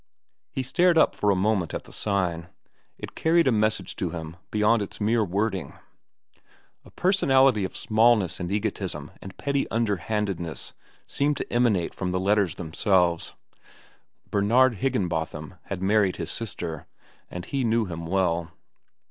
He stared up for a moment at the sign. It carried a message to him beyond its mere wording. A personality of smallness and egotism and petty underhandedness seemed to emanate from the letters themselves. Bernard Higginbotham had married his sister, and he knew him well.